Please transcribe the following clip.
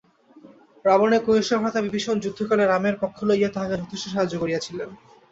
রাবণের কনিষ্ঠ ভ্রাতা বিভীষণ যুদ্ধকালে রামের পক্ষ লইয়া তাঁহাকে যথেষ্ট সাহায্য করিয়াছিলেন।